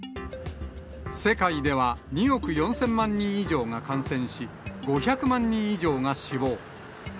世界では、２億４０００万人以上が感染し、５００万人以上が死亡。